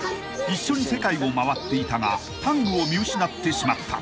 ［一緒に世界を回っていたがタングを見失ってしまった］